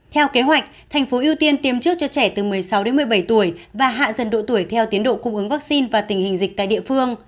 theo kế hoạch tp hcm tiêm trước cho trẻ từ một mươi sáu đến một mươi bảy tuổi và hạ dần độ tuổi theo tiến độ cung ứng vaccine và tình hình dịch tại địa phương